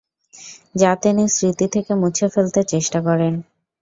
যা তিনি স্মৃতি থেকে মুছে ফেলতে চেষ্টা করেন।